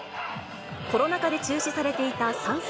コロナ禍で中止されていた散水